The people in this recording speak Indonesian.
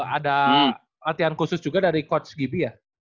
ada latihan khusus juga dari coach gibi ya